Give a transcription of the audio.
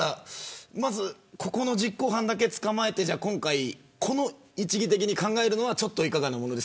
ここの実行犯だけ捕まえてこの一義的に考えるのはいかがなもので